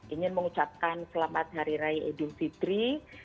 ingin mengucapkan selamat hari raya idul fitri